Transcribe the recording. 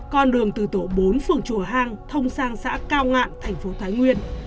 con đường từ tổ bốn phường chùa hang thông sang xã cao ngạn thành phố thái nguyên